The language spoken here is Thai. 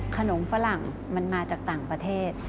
ฝรั่งมันมาจากต่างประเทศ